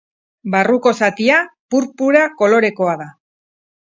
Barruko zatia, purpura kolorekoa da.